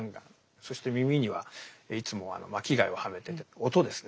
そして耳にはいつも巻貝をはめてて音ですね。